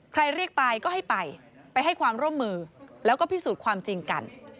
เรียกไปก็ให้ไปไปให้ความร่วมมือแล้วก็พิสูจน์ความจริงกัน